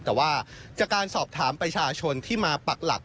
แต่ว่าจากการสอบถามประชาชนที่มาปักหลัก